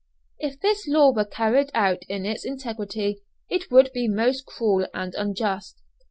If this law were carried out in its integrity it would be most cruel and unjust.